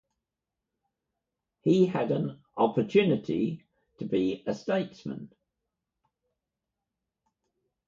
He had an opportunity to be a statesman.